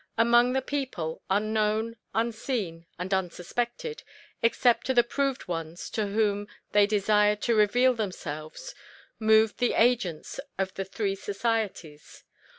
Among the people, unknown, unseen, and unsuspected, except to the proved ones to whom they desired to reveal themselves, moved the agents of the Three Societies.